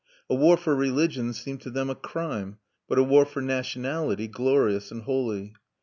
A war for religion seemed to them a crime, but a war for nationality glorious and holy.